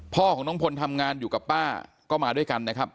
พ่อของน้องพลทำงานอยู่กับป้าก็มาด้วยกันนะครับ